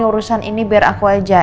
urusan ini biar aku aja